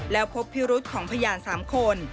แล้วพบพิรุธของพยาน๓คน